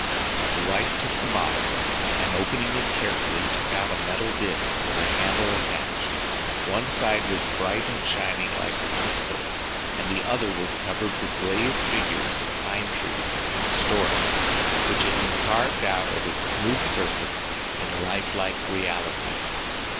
The wife took the box, and opening it carefully took out a metal disk with a handle attached. One side was bright and shining like a crystal, and the other was covered with raised figures of pine trees and storks, which had been carved out of its smooth surface in lifelike reality.